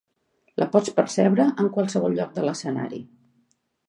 La pots percebre en qualsevol lloc de l'escenari.